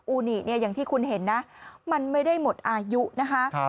ี่เนี่ยอย่างที่คุณเห็นนะมันไม่ได้หมดอายุนะคะ